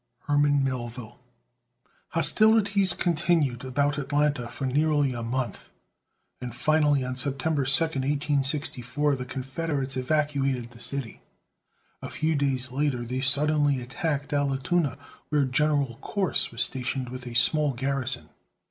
_ HERMAN MELVILLE. Hostilities continued about Atlanta for nearly a month, and finally, on September 2, 1864, the Confederates evacuated the city. A few days later, they suddenly attacked Allatoona, where General Corse was stationed with a small garrison.